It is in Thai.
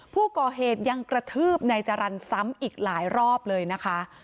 ผู้ก่อเหตุยังกระทืบนายจรรย์ซ้ำอีกหลายรอบเลยนะคะ